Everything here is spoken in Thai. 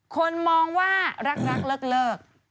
คนมองว่ารักเลิก